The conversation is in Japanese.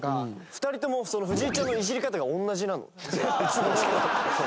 ２人とも藤井ちゃんのイジり方が同じなの。